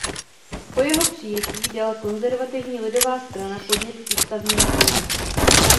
Po jeho přijetí dala konzervativní Lidová strana podnět k Ústavnímu soudu.